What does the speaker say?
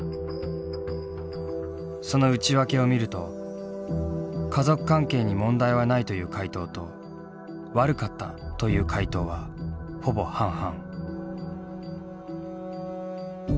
その内訳を見ると「家族関係に問題はない」という回答と「悪かった」という回答はほぼ半々。